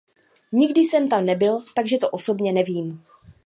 Nikdy jsem tam nebyl, takže to osobně nevím.